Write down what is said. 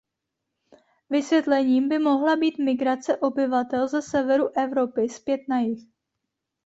Vysvětlením by mohla být migrace obyvatel ze severu Evropy zpět na jih.